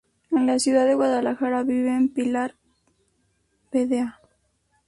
En la ciudad de Guadalajara viven Pilar vda.